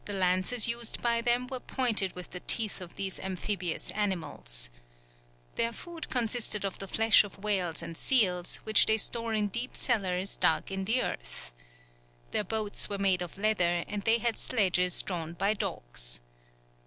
The lances used by them were pointed with the teeth of these amphibious animals. Their food consisted of the flesh of whales and seals, which they store in deep cellars dug in the earth. Their boats were made of leather, and they had sledges drawn by dogs.